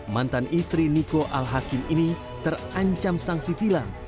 mantan istri niko al hakim ini terancam sanksi tilang